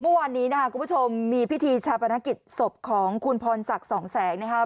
เมื่อวานนี้นะครับคุณผู้ชมมีพิธีชาปนกิจศพของคุณพรศักดิ์สองแสงนะครับ